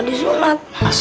di sholat astagfirullah